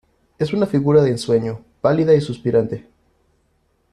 es una figura de ensueño pálida y suspirante